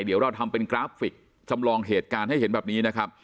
เดี๋ยวเราทำเป็นกราฟิกจำลองเหตุการณ์ให้เห็นแบบนี้นะครับ